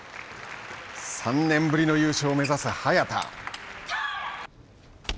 ３年ぶりの優勝を目指す早田。